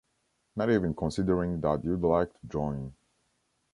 Not even considering that you’d like to join.